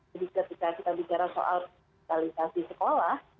jadi ketika kita bicara soal digitalisasi sekolah